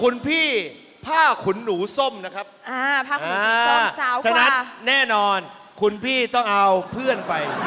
นัดแน่นอนคุณพี่ต้องเอาเพื่อนไป